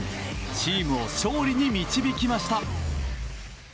チームを勝利に導きました。